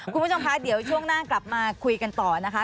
คุณผู้ชมคะเดี๋ยวช่วงหน้ากลับมาคุยกันต่อนะคะ